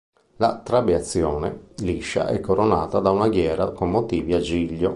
La trabeazione, liscia, è coronata da una ghiera con motivi a giglio.